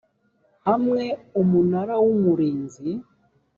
hamwe umunara w umurinzi